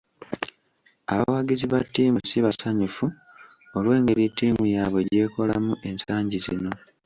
Abawagizi ba ttiimu si basanyufu olw'engeri ttiimu yaabwe gy'ekolamu ensangi zino.